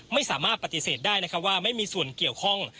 ไม่สามารถปฏิเสธได้นะครับว่าไม่มีส่วนเกี่ยวข้อง